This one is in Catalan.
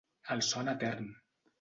El son etern.